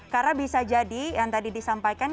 karena bisa jadi yang tadi disampaikan